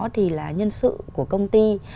thì là nhân sự của công ty